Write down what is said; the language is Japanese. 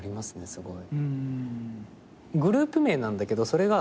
すごい。